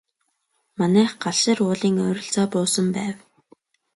Манайх Галшар уулын ойролцоо буусан байв.